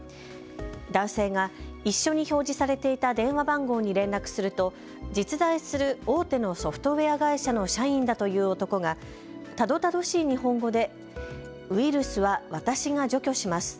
男性が一緒に表示されていた電話番号に連絡すると実在する大手のソフトウエア会社の社員だという男がたどたどしい日本語でウイルスは私が除去します。